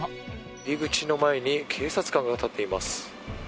入り口の前に警察官が立っています。